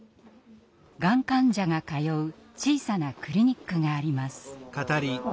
がん患者が通う小さなクリニックがあります。